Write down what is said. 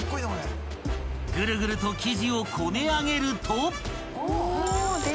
［ぐるぐると生地をこねあげると］